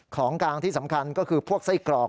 ของกลางที่สำคัญก็คือพวกไส้กรอก